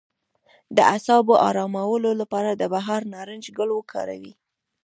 د اعصابو ارامولو لپاره د بهار نارنج ګل وکاروئ